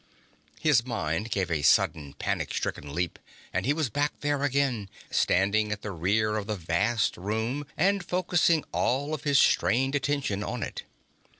His mind gave a sudden, panic stricken leap and he was back there again, standing at the rear of the vast room and focusing all of his strained attention on it.